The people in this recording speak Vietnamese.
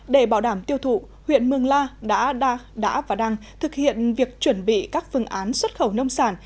để bảo đảm tiêu thụ huyện mường la đã và đang thực hiện việc chuẩn bị các phương án xuất khẩu nông sản